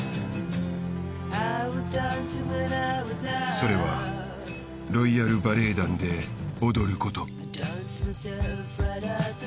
それはロイヤル・バレエ団で踊ること。